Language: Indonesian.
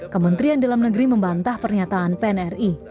kementerian dalam negeri membantah pernyataan pnri